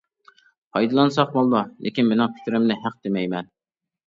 پايدىلانساق بولىدۇ، لېكىن مېنىڭ پىكرىمنى ھەق دېمەيمەن.